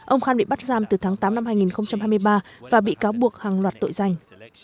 ông khan bị bắt giam từ tháng tám năm hai nghìn hai mươi ba và bị cáo buộc hàng loạt tội danh